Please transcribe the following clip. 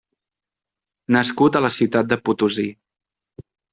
Nascut a la ciutat de Potosí.